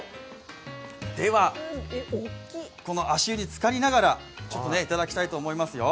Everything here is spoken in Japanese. では、この足湯につかりながらいただきたいと思いますよ。